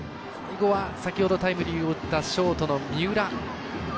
最後は先ほどタイムリーを打ったショートの三浦。